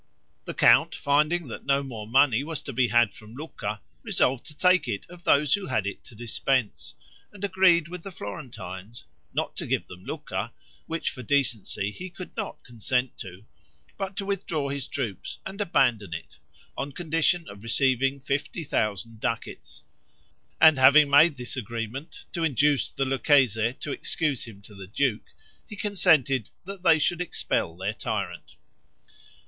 The count finding that no more money was to be had from Lucca, resolved to take it of those who had it to dispense, and agreed with the Florentines, not to give them Lucca, which for decency he could not consent to, but to withdraw his troops, and abandon it, on condition of receiving fifty thousand ducats; and having made this agreement, to induce the Lucchese to excuse him to the duke, he consented that they should expel their tyrant.